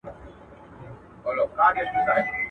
جهاني د قلم ژبه دي ګونګۍ که.